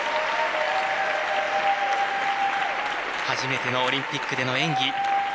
初めてのオリンピックでの演技。